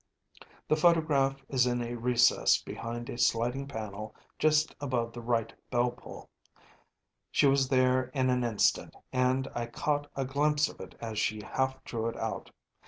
The photograph is in a recess behind a sliding panel just above the right bell pull. She was there in an instant, and I caught a glimpse of it as she half drew it out.